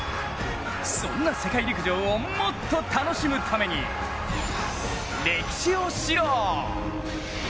そんな世界陸上をもっと楽しむために、歴史を知ろう。